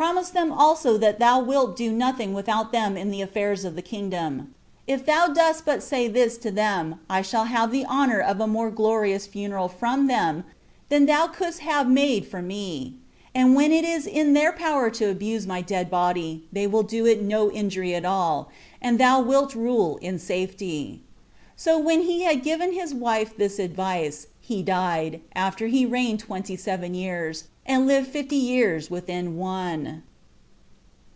Promise them also that thou wilt do nothing without them in the affairs of the kingdom. If thou dost but say this to them, I shall have the honor of a more glorious Funeral from them than thou couldst have made for me; and when it is in their power to abuse my dead body, they will do it no injury at all, and thou wilt rule in safety." 44 So when he had given his wife this advice, he died, after he had reigned twenty seven years, and lived fifty years within one.